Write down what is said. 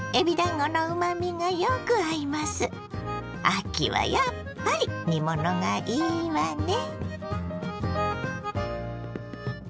秋はやっぱり煮物がいいわね。